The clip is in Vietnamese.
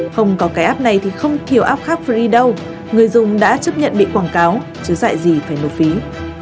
không có cái app này thì không thiểu app khác free đâu người dùng đã chấp nhận bị quảng cáo chứ dạy gì phải nộp phí